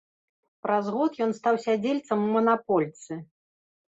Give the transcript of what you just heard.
Праз год ён стаў сядзельцам у манапольцы.